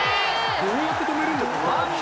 どうやって止めるんですか？